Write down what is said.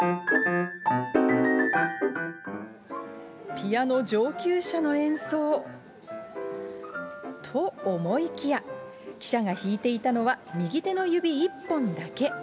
ピアノ上級者の演奏と思いきや、記者が弾いていたのは、右手の指１本だけ。